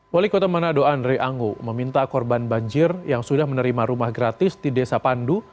wali kota manado andre anggo meminta korban banjir yang sudah menerima rumah gratis di desa pandu